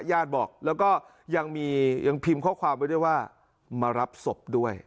ญาติบอกแล้วก็ยังมียังพิมพ์ข้อความไว้ด้วยว่ามารับศพด้วย